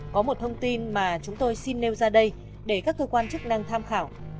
có một thông tin mà chúng tôi xin nêu ra đây để các cơ quan chức năng tham khảo